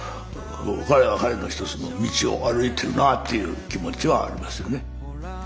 彼は彼の一つの道を歩いているなという気持ちはありますよね。